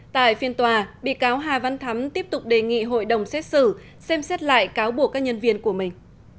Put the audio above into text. tại phiên tòa bị cáo hà văn thắm tiếp tục đề nghị hội đồng xét xử xem xét lại cáo buộc các nhân viên của mình